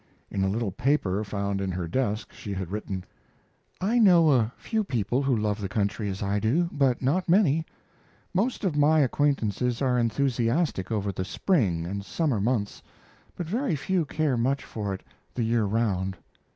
In a little paper found in her desk she had written: I know a few people who love the country as I do, but not many. Most of my acquaintances are enthusiastic over the spring and summer months, but very few care much for it the year round.